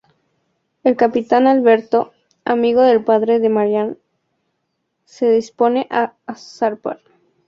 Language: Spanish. El capitán Alberto, amigo del padre de Marina, se dispone a zarpar.